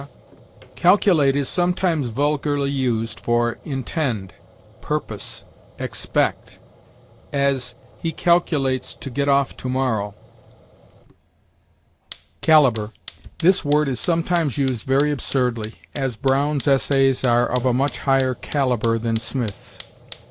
Calculate is sometimes vulgarly used for intend, purpose, expect; as, "He calculates to get off to morrow." CALIBER. This word is sometimes used very absurdly; as, "Brown's Essays are of a much higher caliber than Smith's."